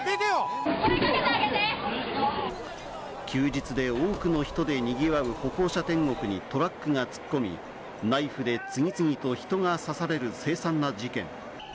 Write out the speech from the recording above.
休日で多くの人でにぎわう歩行者天国にトラックが突っ込み、ナイフで次々と人が刺される凄惨な事件。